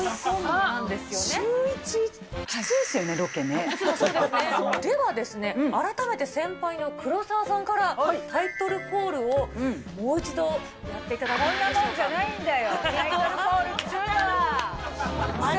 シューイチ、きついですよね、ではですね、改めて先輩の黒沢さんからタイトルコールをもう一度やっていただこんなもんじゃないんだよ。